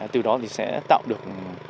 từ đó thì sẽ tạo được